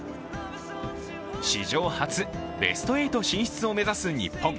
史上初ベスト８進出を目指す日本。